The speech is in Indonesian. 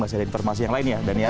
masih ada informasi yang lain ya dania